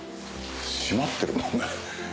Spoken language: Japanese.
閉まってるもんね。